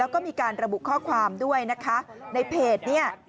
แล้วก็มีการระบุข้อความด้วยนะคะในเพจเนี่ย